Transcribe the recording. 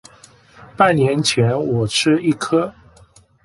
半年前我吃一顆